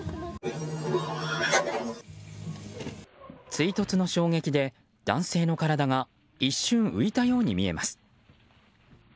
追突の衝撃で男性の体が一瞬浮いたように見えます。